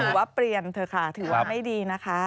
ว่าเปลี่ยนเถอะค่ะถือว่าไม่ดีนะคะ